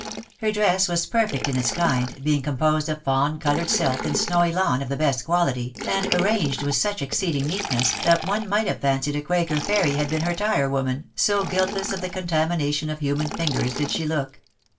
Her dress was perfect in its kind, being composed of fawn coloured silk and snowy lawn of the best quality, and arranged with such exceeding neatness, that one might have fancied a quaker fairy had been her tire woman, so guiltless of the contamination of human fingers did she look.